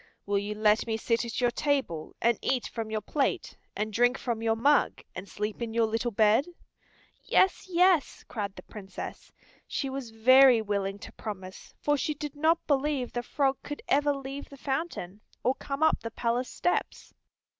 Will you let me sit at your table, and eat from your plate, and drink from your mug, and sleep in your little bed?" "Yes, yes," cried the Princess. She was very willing to promise, for she did not believe the frog could ever leave the fountain, or come up the palace steps.